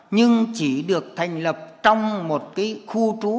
nhưng chỉ được thành lập trong một cái khu trú